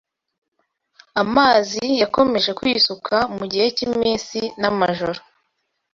Amazi yakomeje kwisuka mu gihe cy’iminsi n’amajoro